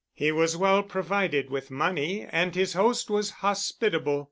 He was well provided with money and his host was hospitable.